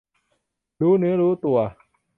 รู้เนื้อรู้ตัว